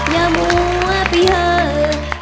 อย่ามัวไปเถอะ